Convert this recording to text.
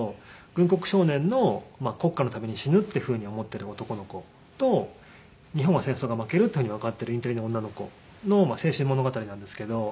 軍国少年の国家のために死ぬっていうふうに思ってる男の子と日本は戦争が負けるっていうふうにわかってるインテリの女の子の青春物語なんですけど。